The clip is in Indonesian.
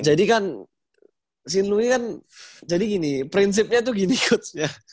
jadi kan si nelowi kan jadi gini prinsipnya tuh gini coach